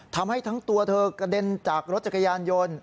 ทำให้ทั้งตัวเธอกระเด็นจากรถจักรยานยนต์